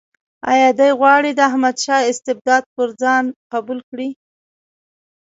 آیا دی غواړي د احمدشاه استبداد پر ځان قبول کړي.